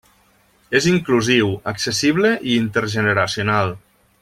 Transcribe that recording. És inclusiu, accessible i intergeneracional.